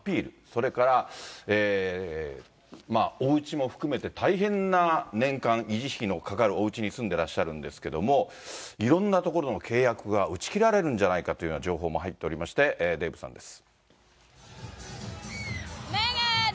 それから、おうちも含めて大変な、年間維持費のかかるおうちに住んでらっしゃるんですけれども、いろんなところの契約が打ち切られるんじゃないかという情報も入っておりまして、デーブさんです。